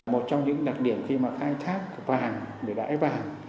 một trong những đặc điểm khi mà khai thác vàng để đải vàng